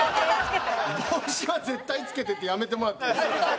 「帽子は絶対つけて」ってやめてもらっていいですか？